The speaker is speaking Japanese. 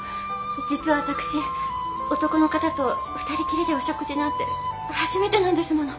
実は私男の方と二人きりでお食事なんて初めてなんですもの。